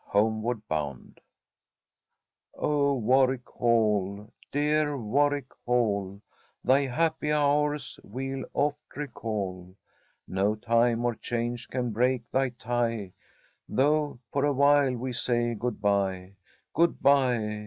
HOMEWARD BOUND "O Warwick Hall, dear Warwick Hall, Thy happy hours we'll oft recall! No time or change can break thy tie, Though for awhile we say good bye Good bye!